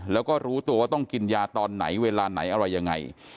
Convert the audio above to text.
แล้วก็รู้ตัวว่าต้องกินยาตอนไหนเวลาไหนอะไรยังไง